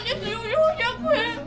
４００円！